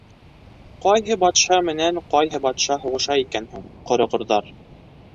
Ҡайһы батша менән ҡайһы батша һуғыша икән һуң, ҡороғорҙар.